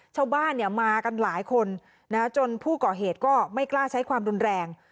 ชาวบ้านมากันหลายคนจนผู้ก่อเหตุก็ไม่กล้าใช้ความรุนแรง